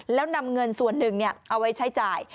แล้วนำเงินส่วนหนึ่งเอาไว้ใช้จ่าย